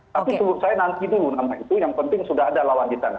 tapi menurut saya nanti dulu nama itu yang penting sudah ada lawan di sana